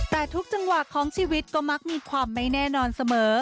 แต่ทุกจังหวะของชีวิตก็มักมีความไม่แน่นอนเสมอ